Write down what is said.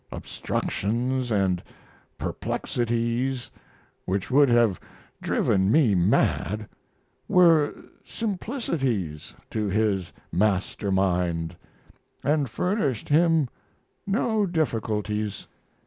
Obstructions and perplexities which would have driven me mad were simplicities to his master mind and furnished him no difficulties.